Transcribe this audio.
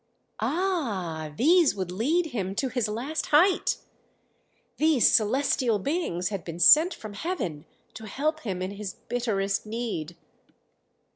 Ah! these would lead him to his last height! These celestial beings had been sent from heaven to help him in his bitterest need.